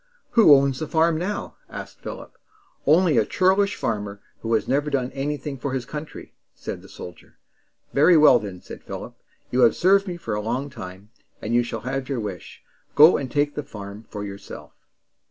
"Who owns the farm now?" asked Philip. "Only a churlish farmer, who has never done anything for his country," said the soldier. "Very well, then," said Philip. "You have served me for a long time, and you shall have your wish. Go and take the farm for yourself."